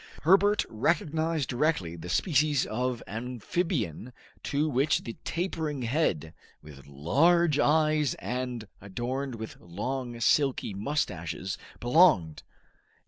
Herbert recognized directly the species of amphibian to which the tapering head, with large eyes, and adorned with long silky mustaches, belonged.